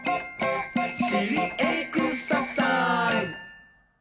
「しりエクササイズ！」